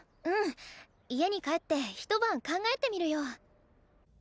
うん家に帰って一晩考えてみるよ。